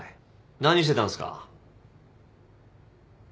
何してたんすか？